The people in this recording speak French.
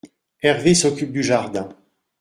Hervé s’occupe du jardin.